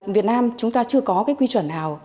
việt nam chúng ta chưa có quy chuẩn nào